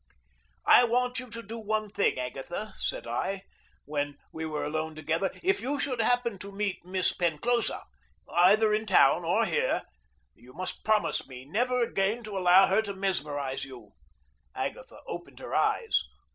"I want you to do one thing, Agatha," said I, when we were alone together. "If you should happen to meet Miss Penclosa, either in town or here, you must promise me never again to allow her to mesmerize you." Agatha opened her eyes.